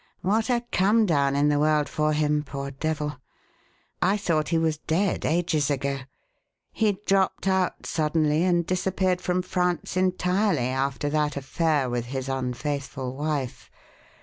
What a come down in the world for him! Poor devil! I thought he was dead ages ago. He dropped out suddenly and disappeared from France entirely after that affair with his unfaithful wife.